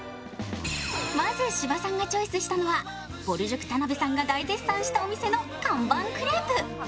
まず芝さんがチョイスしたのはぼる塾・田辺さんが大絶賛したお店の看板クレープ。